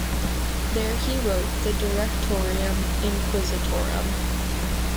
There he wrote the "Directorium Inquisitorum".